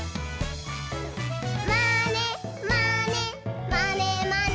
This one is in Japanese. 「まねまねまねまね」